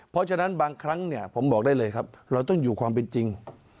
เพราะฉะนั้นบางครั้งเนี่ยผมบอกได้เลยครับเราต้องอยู่ความเป็นจริง